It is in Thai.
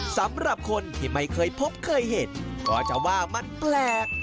สำหรับคนที่ไม่เคยพบเคยเห็นก็จะว่ามันแปลก